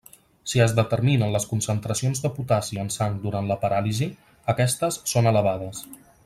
Si es determinen les concentracions de potassi en sang durant la paràlisi, aquestes són elevades.